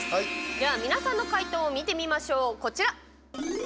では、皆さんの解答を見てみましょう、こちら。